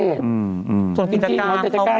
ส่วนกิจการเขา